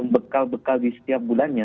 bekal bekal di setiap bulannya